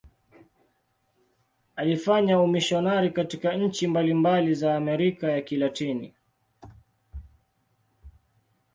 Alifanya umisionari katika nchi mbalimbali za Amerika ya Kilatini.